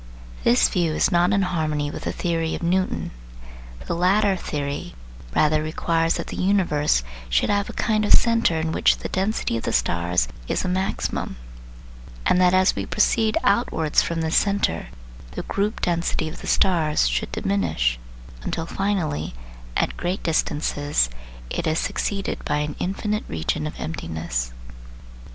This view is not in harmony with the theory of Newton. The latter theory rather requires that the universe should have a kind of centre in which the density of the stars is a maximum, and that as we proceed outwards from this centre the group density of the stars should diminish, until finally, at great distances, it is succeeded by an infinite region of emptiness.